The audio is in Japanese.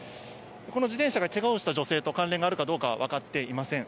この自転車が、けがをした女性と関連があるかどうかは分かっていません。